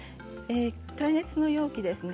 耐熱の容器ですね。